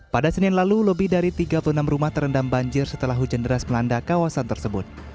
pada senin lalu lebih dari tiga puluh enam rumah terendam banjir setelah hujan deras melanda kawasan tersebut